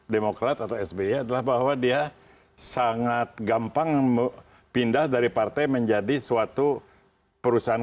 demokrat atau sby adalah bahwa dia sangat gampang pindah dari partai menjadi suatu perusahaan